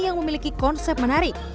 yang memiliki konsep menarik